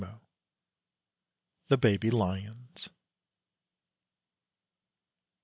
THE BABY LIONS.